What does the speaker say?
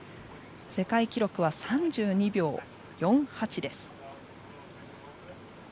世界記録は３２秒４８です。